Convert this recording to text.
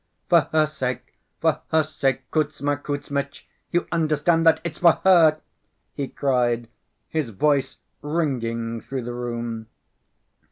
"For her sake! For her sake, Kuzma Kuzmitch! You understand that it's for her," he cried, his voice ringing through the room.